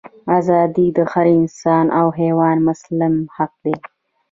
ازادي د هر انسان او حیوان مسلم حق دی.